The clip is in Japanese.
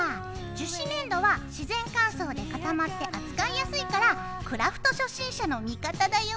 樹脂粘土は自然乾燥で固まって扱いやすいからクラフト初心者の味方だよ。